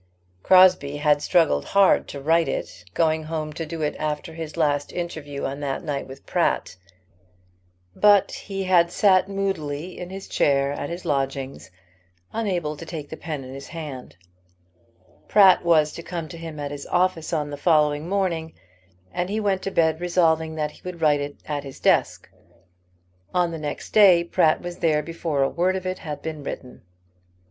Crosbie had struggled hard to write it, going home to do it after his last interview on that night with Pratt. But he had sat moodily in his chair at his lodgings, unable to take the pen in his hand. Pratt was to come to him at his office on the following morning, and he went to bed resolving that he would write it at his desk. On the next day Pratt was there before a word of it had been written.